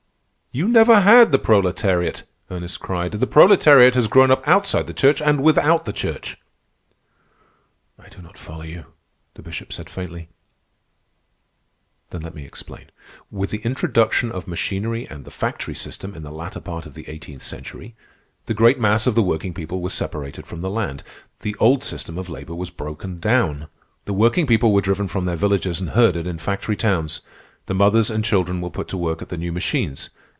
"You never had the proletariat," Ernest cried. "The proletariat has grown up outside the Church and without the Church." "I do not follow you," the Bishop said faintly. "Then let me explain. With the introduction of machinery and the factory system in the latter part of the eighteenth century, the great mass of the working people was separated from the land. The old system of labor was broken down. The working people were driven from their villages and herded in factory towns. The mothers and children were put to work at the new machines.